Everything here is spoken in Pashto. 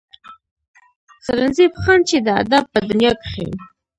سرنزېب خان چې د ادب پۀ دنيا کښې